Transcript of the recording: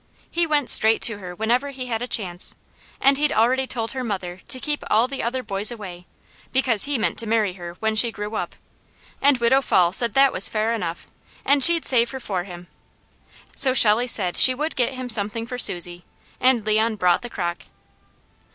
He went straight to her whenever he had a chance, and he'd already told her mother to keep all the other boys away, because he meant to marry her when he grew up, and Widow Fall said that was fair enough, and she'd save her for him. So Shelley said she would get him something for Susie, and Leon brought the crock.